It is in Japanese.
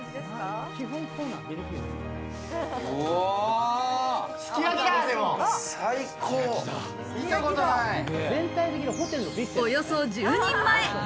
すごい！